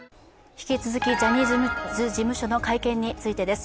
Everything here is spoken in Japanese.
引き続きジャニーズ事務所の会見についてです。